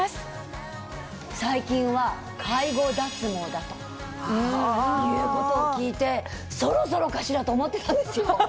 だということを聞いてそろそろかしらと思ってたんですよ。